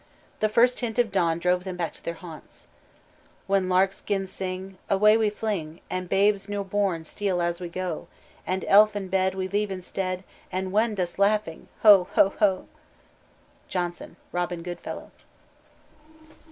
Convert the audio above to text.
The first hint of dawn drove them back to their haunts. "When larks 'gin sing, Away we fling; And babes new borne steal as we go, And elfe in bed We leave instead, And wend us laughing, ho, ho, ho!" JONSON: _Robin Goodfellow.